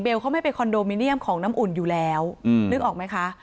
เขาไม่ไปคอนโดมิเนียมของน้ำอุ่นอยู่แล้วนึกออกไหมคะ